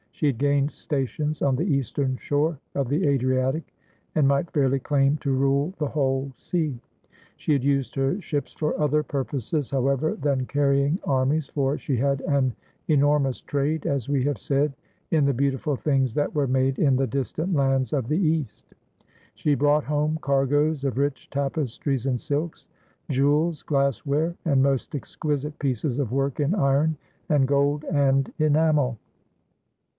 She had gained stations on the eastern shore of the Adriatic, and might fairly claim to rule the whole sea. She had used her ships for other purposes, however, than carrying armies, for she had an enor mous trade, as we have said, in the beautiful things that were made in the distant lands of the East. She brought home cargoes of rich tapestries and silks, jewels, glass ware, and most exquisite pieces of work in iron and gold and enamel.